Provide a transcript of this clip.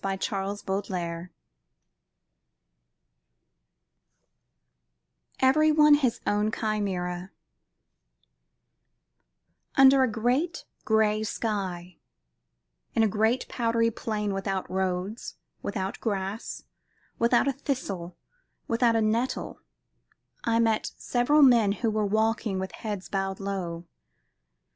FROM 'LITTLE POEMS IN PROSE' EVERY ONE HIS OWN CHIMERA Under a great gray sky, in a great powdery plain without roads, without grass, without a thistle, without a nettle, I met several men who were walking with heads bowed down.